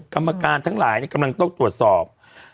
กรรมการทั้งหลายกำลังต้องตรวจสอบ